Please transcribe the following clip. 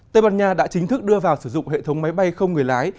tây ban nha đã chính thức đưa vào sử dụng hệ thống máy bay không người lái